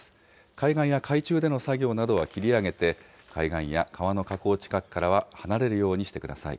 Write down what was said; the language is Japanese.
海岸や海中での作業などは切り上げて、海岸や川の河口近くからは離れるようにしてください。